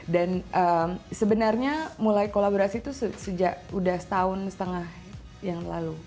dan sebenarnya mulai kolaborasi tuh sejak udah setahun setengah yang lalu